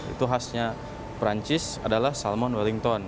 itu khasnya perancis adalah salmon wellington